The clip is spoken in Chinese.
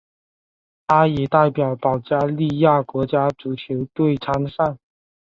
他也代表保加利亚国家足球队参赛。